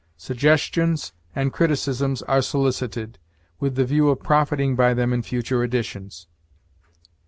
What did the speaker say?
Suggestions and criticisms are solicited, with the view of profiting by them in future editions.